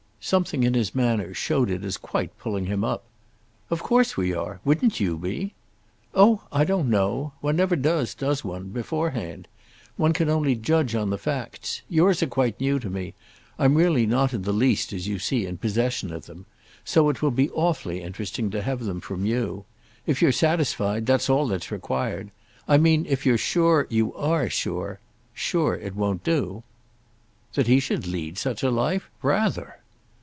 Something in his manner showed it as quite pulling him up. "Of course we are. Wouldn't you be?" "Oh I don't know. One never does—does one?—beforehand. One can only judge on the facts. Yours are quite new to me; I'm really not in the least, as you see, in possession of them: so it will be awfully interesting to have them from you. If you're satisfied, that's all that's required. I mean if you're sure you are sure: sure it won't do." "That he should lead such a life? Rather!"